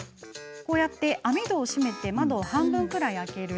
網戸を閉めて窓を半分くらい開ける。